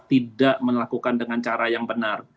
tidak melakukan dengan cara yang benar